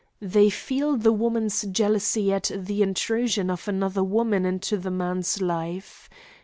They feel the woman's jealousy at the intrusion of another woman into the man's life.